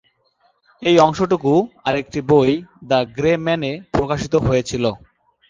এই অংশটুকু আরেকটি বই "দ্য গ্রে ম্যান"-এ প্রকাশিত হয়েছিল।